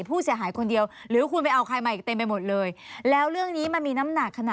ผู้เสียหายคนเดียวหรือคุณไปเอาใครมาอีกเต็มไปหมดเลยแล้วเรื่องนี้มันมีน้ำหนักขนาด